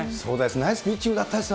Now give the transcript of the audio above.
ナイスピッチングだったです